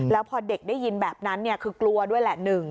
แล้วพอเด็กได้ยินแบบนั้นคือกลัวด้วยแหละ